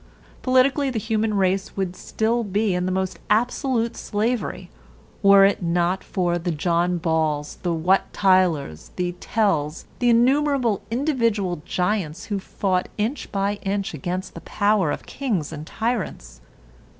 Politically the human race would still be in the most absolute slavery, were it not for the John Balls, the Wat Tylers, the Tells, the innumerable individual giants who fought inch by inch against the power of kings and tyrants.